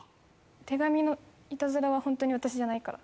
手紙のいたずらはホント、私じゃないから。